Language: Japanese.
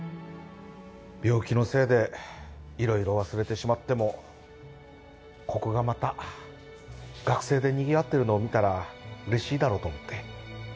病気のせいで色々忘れてしまってもここがまた学生でにぎわってるのを見たらうれしいだろうと思って。